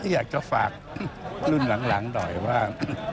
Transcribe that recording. อยากจะฝากรุ่นหลังหน่อยว่า